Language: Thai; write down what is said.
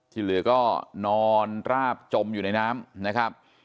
ที่เหลือก็นอนราบจมอยู่ในน้ำนะครับ